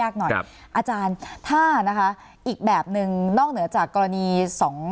อาจารย์ถ้านะคะอีกแบบหนึ่งนอกเหนือจากกรณีสอง